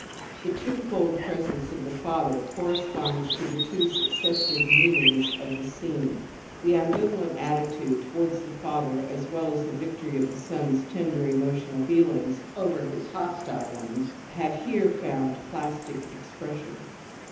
The twofold presence of the father corresponds to the two successive mean ings of the scene. The ambivalent attitude towards the father as well as the victory of the son's tender emotional feelings over his hostile ones, have here found plastic expression.